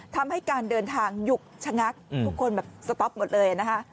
ทำให้การเดินทางหยุกชะงักทุกคนแบบสต๊อปหมดเลยนะคะ